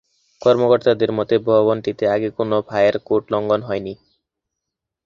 কর্মকর্তাদের মতে, ভবনটিতে আগে কোনো ফায়ার কোড লঙ্ঘন হয়নি।